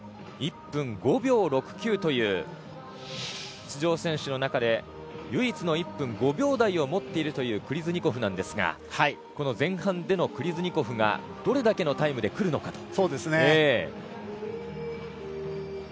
１分５秒６９という出場選手の中で唯一の１分５秒台を持っているというクリズニコフなんですが前半でのクリズニコフがどれだけのタイムでくるのかと。